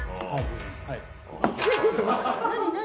何？